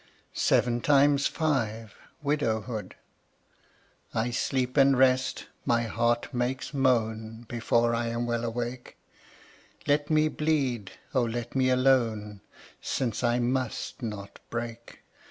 SEVEN TIMES FIVE. WIDOWHOOD. I sleep and rest, my heart makes moan Before I am well awake; "Let me bleed! O let me alone, Since I must not break!"